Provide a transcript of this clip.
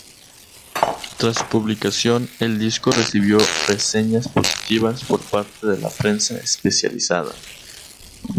Tras su publicación el disco recibió reseñas positivas por parte de la prensa especializada.